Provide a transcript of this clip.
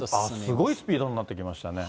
すごいスピードになってきましたね。